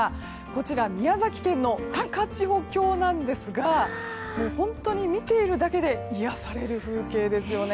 こちら宮崎県の高千穂峡なんですが本当に見ているだけで癒やされる風景ですよね。